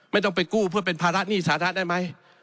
ไม่ต้องไปกู้เพื่อเป็นภาระหนี้สาธารณะได้ไหม